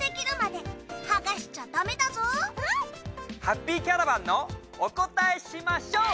ハッピーキャラバンのおこたえしまＳＨＯＷ！